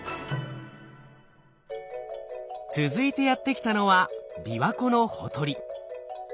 続いてやって来たのは琵琶湖のほとり。